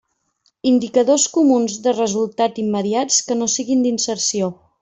Indicadors comuns de resultat immediats que no siguin d'inserció.